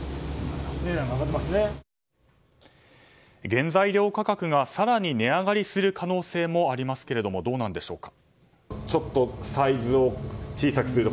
原材料価格が更に値上がりする可能性もありますけれどもどうなんでしょうか？